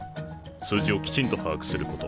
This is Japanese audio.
数字をきちんと把握すること。